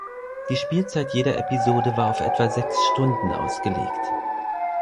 Die Spielzeit jeder Episode war auf etwa sechs Stunden ausgelegt.